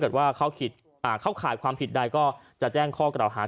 ถ้าเกิดว่าเขาขายความผิดได้ก็จะแจ้งข้อกระดาษหา